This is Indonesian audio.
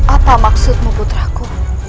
apa maksudmu putraku